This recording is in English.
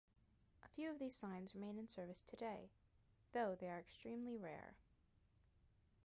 A few of these signs remain in service today, though they are extremely rare.